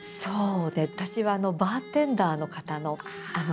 私はあのバーテンダーの方のあの声。